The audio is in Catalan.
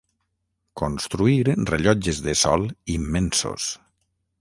Construir rellotges de sol immensos.